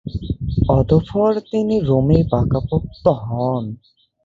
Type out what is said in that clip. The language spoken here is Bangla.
অতঃপর তিনি রোমে পাকাপোক্ত হন।